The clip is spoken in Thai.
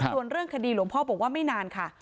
ส่วนเรื่องคดีหลวงพ่อบอกว่าไม่นานค่ะ